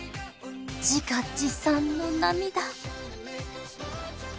自画自賛の涙